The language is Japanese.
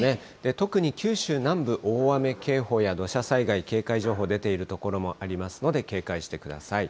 特に九州南部、大雨警報や土砂災害警戒情報、出ている所もありますので、警戒してください。